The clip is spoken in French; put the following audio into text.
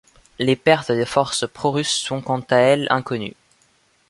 Les pertes des forces pro-russes sont quant à elles inconnues.